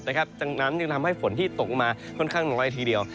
ดังนั้นจึงทำให้ฝนที่ตกลงมาค่อนข้างน้อยทีเดียว